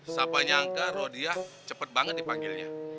siapa nyangka rodia cepet banget dipanggilnya